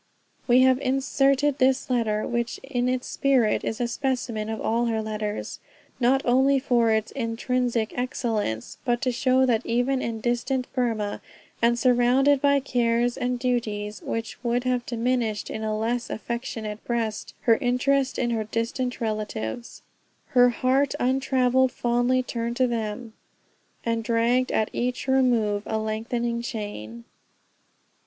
We have inserted this letter, which in its spirit is a specimen of all her letters, not only for its, intrinsic excellence, but to show that even in distant Burmah, and surrounded by cares and duties which would have diminished in a less affectionate breast her interest in her distant relatives, "Her heart untravelled fondly turned to" them, "And dragged at each remove a lengthening chain."